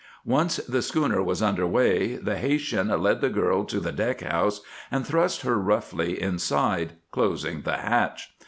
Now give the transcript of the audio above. Once the schooner was under way, the Haytian led the girl to the deck house and thrust her roughly inside, closing the hatch.